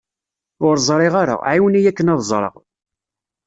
Ur ẓriɣ ara, ɛiwen-iyi akken ad ẓreɣ.